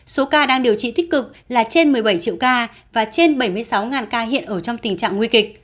số ca đang điều trị tích cực là trên một mươi bảy triệu ca và trên bảy mươi sáu ca hiện ở trong tình trạng nguy kịch